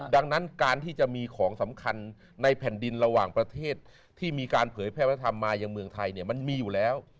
ดังนั้นการที่จะมีของสำคัญในแผ่นดินระหว่างประเทศที่มีการเผยแพร่พระธรรมมาอย่างเมืองไทยเนี่ยมันมีอยู่แล้ว